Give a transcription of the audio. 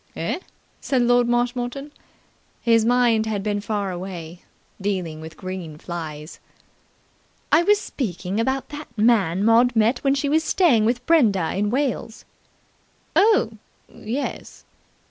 "Eh?" said Lord Marshmoreton. His mind had been far away, dealing with green flies. "I was speaking about that man Maud met when she was staying with Brenda in Wales." "Oh, yes!"